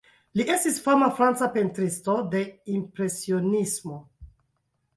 Li estis fama franca pentristo, de Impresionismo.